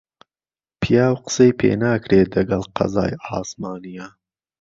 پیاو قسەی پێ ناکرێ دهگهڵ قەزای عاسمانییه